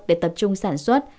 để tập trung sản xuất